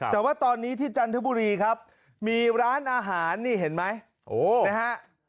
แต่ว่าตอนนี้ที่จันทบุรีครับมีร้านอาหารนี่เห็นไหมนะฮะ